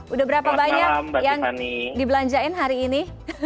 udah berapa banyak yang dibelanjain hari ini